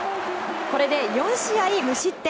これで４試合無失点。